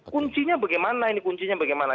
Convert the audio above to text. kuncinya bagaimana ini kuncinya bagaimana